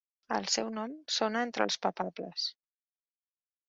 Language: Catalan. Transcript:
El seu nom sona entre els papables.